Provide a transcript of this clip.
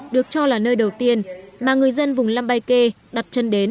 được cho là nơi đầu tiên mà người dân vùng lambayque đặt chân đến